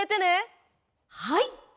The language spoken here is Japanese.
はい！